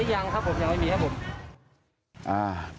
ยังครับผมยังไม่มีครับผม